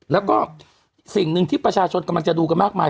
แล้วก็สิ่งหนึ่งที่ประชาชนกำลังจะดูกันมากมาย